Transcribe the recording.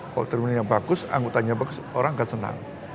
kalau terminalnya bagus angkutannya bagus orang akan senang